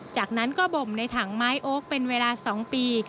จากนั้นก็บ่มในถังไม้โอ๊คเป็นเวลา๒ปี